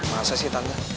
masa sih tante